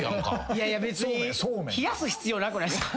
いやいや別に冷やす必要なくないですか？